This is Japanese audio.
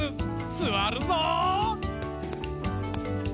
すわるぞう！